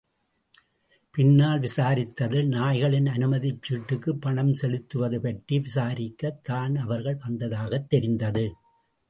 பின்னால் விசாரித்ததில், நாய்களின் அனுமதிச்சீட்டுக்கு ப் பணம் செலுத்துவது பற்றி விசாரிக்கத் தான் அவர்கள் வந்ததாகத் தெரிந்தது!